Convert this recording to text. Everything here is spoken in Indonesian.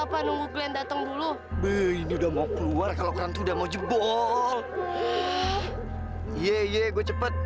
apa nunggu glenn dateng dulu be ini udah mau keluar kalau kan udah mau jebol ye gue cepet